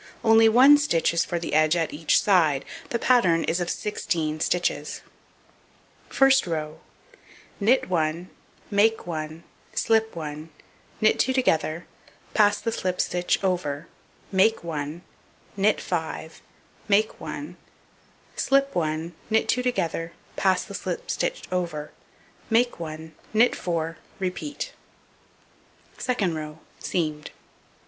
Only 1 stitch is for the edge at each side, the pattern is of 16 stitches. First row: Knit 1, make 1, slip 1, knit 2 together, pass the slipped stitch over, make 1, knit 5, make 1, slip 1, knit 2 together, pass the slipped stitch over, make 1, knit 4; repeat. Second row: Seamed.